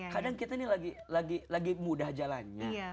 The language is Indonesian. kadang kita ini lagi mudah jalannya